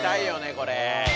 これ。